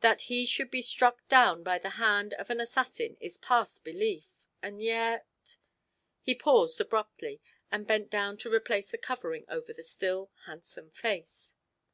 That he should be struck down by the hand of an assassin is past belief, and yet " He paused abruptly and bent down to replace the covering over the still, handsome face.